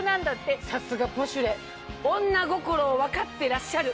さすが『ポシュレ』女心を分かってらっしゃる。